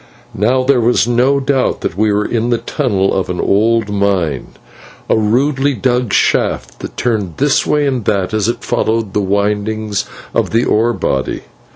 Now there was no doubt that we were in the tunnel of an old mine, a rudely dug shaft that turned this way and that as it followed the windings of the ore body.